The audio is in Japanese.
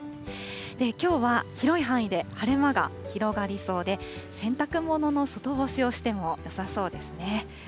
きょうは広い範囲で晴れ間が広がりそうで、洗濯物の外干しをしてもよさそうですね。